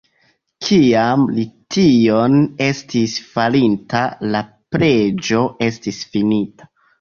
Kiam li tion estis farinta, la preĝo estis finita.